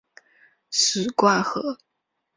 史灌河